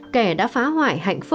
kẻ đã phá hoại hạnh phúc